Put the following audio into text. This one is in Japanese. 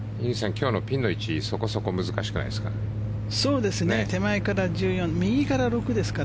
今日のピンの位置そこそこ難しくないですか？